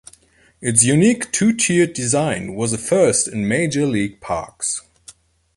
Its unique two-tiered design was a first in major league parks.